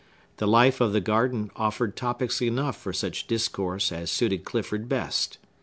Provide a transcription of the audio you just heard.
The life of the garden offered topics enough for such discourse as suited Clifford best.